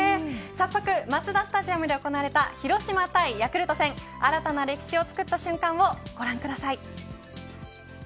早速マツダスタジアムで行われた、広島対ヤクルト戦新たな歴史をつくった瞬間をご覧ください。